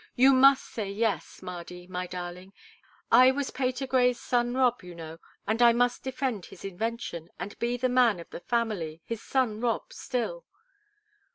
You must say yes, Mardy, my darling; I was Patergrey's 'son Rob,' you know, and I must defend his invention, and be the man of the family, his son Rob still."